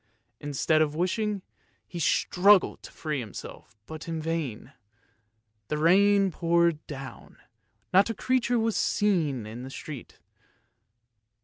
Instead of wishing, he struggled to free himself, but in vain. The rain poured down, not a creature was to be seen in the street.